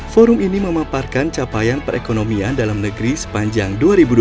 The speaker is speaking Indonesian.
forum ini memaparkan capaian perekonomian dalam negeri sepanjang dua ribu dua puluh